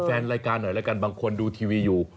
แฟนรายการหน่อยบางคนดูทีวีอยู่